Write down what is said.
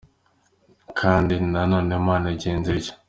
Kandi na none Imana igenza ityo.